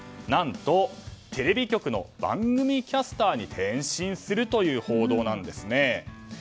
何と、テレビ局の番組キャスターに転身するという報道なんですね。